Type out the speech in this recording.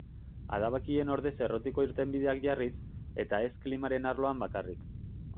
Adabakien ordez errotiko irtenbideak jarriz, eta ez klimaren arloan bakarrik.